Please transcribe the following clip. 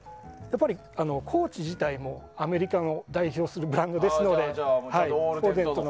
コーチ自体もアメリカを代表するブランドですので。